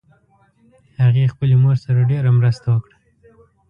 هغې خپلې مور سره ډېر مرسته وکړه